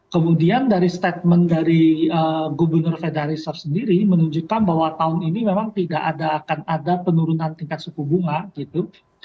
kemudian dari statement dari gubernur federa reserve sendiri menunjukkan bahwa tahun ini memang tidak akan ada penurunan tingkat suku bunga gitu